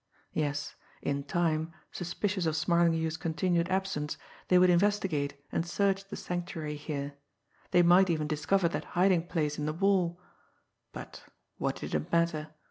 Yes, in time, suspicious of Smarlinghue's continued absence, they would investigate and search the Sanctuary here; they might even discover that hiding place in the wall but what did it matter?